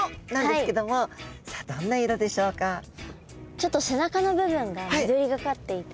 ちょっと背中の部分が緑がかっていて。